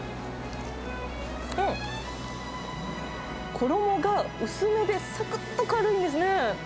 衣が薄めでさくっと軽いんですね。